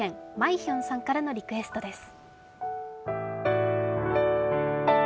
いひょんさんからのリクエストです。